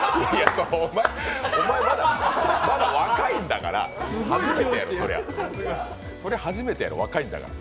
お前、まだ若いんだから、初めてやろ、そりゃ若いんだから。